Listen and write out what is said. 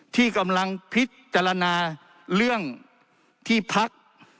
ที่กำลังพิจารณาเรื่องที่พัก